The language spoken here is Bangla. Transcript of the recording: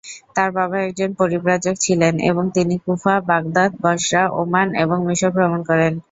তার বাবা একজন পরিব্রাজক ছিলেন এবং তিনি কুফা, বাগদাদ, বসরা, ওমান এবং মিশর ভ্রমণ করেন।